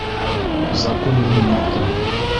Закун минең яҡта!